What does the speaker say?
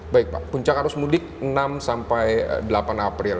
baik pak puncak arus mudik enam sampai delapan april